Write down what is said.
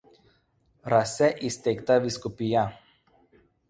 Rase įsteigta vyskupija.